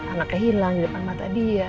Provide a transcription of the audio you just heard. anaknya hilang di depan mata dia